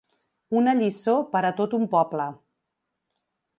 Una lliçó per a tot un poble.